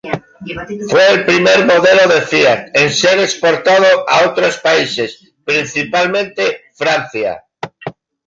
Fue el primer modelo de Fiat en ser exportado a otros países, principalmente Francia.